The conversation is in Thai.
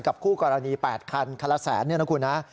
กับคู่กรณี๘คันคันละแสนนะครับคุณฮะ